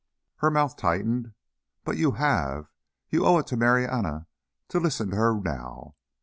Her mouth tightened. "But you have! You owe it to Marianna to listen to her now.